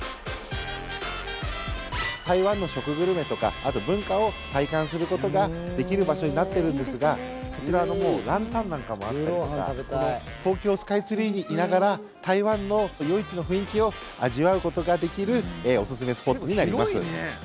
台湾の食グルメとか文化を体感することができる場所になっているんですがこちらのランタンなんかもあったりとか東京スカイツリーにいながら台湾の夜市の雰囲気を味わうことができるおすすめスポットになります。